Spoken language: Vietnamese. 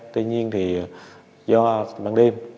tuy nhiên thì do ban đêm